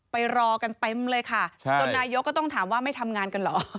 ไปรอกันเต็มเลยค่ะจนนายกก็ต้องถามว่าไม่ทำงานกันเหรอ